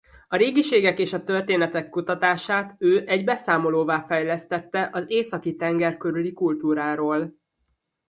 A régiségek és a történetek kutatását ő egy beszámolóvá fejlesztette az Északi-tenger körüli kultúráról.